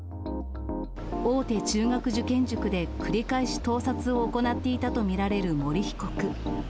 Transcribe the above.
大手中学受験塾で繰り返し盗撮を行っていたと見られる森被告。